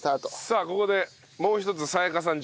さあここでもう一つ明夏さん